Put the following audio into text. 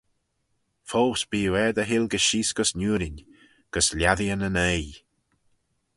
Foast bee oo er dty hilgey sheese gys niurin, gys lhiatteeyn yn oaie.